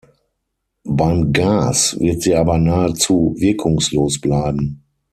Beim Gas wird sie aber nahezu wirkungslos bleiben.